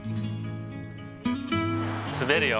滑るよ。